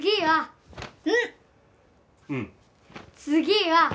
次は。